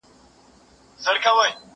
هر اندام يې دوو ټگانو وو ليدلى